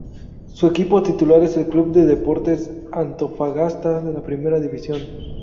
Su equipo titular es el Club de Deportes Antofagasta de la Primera División.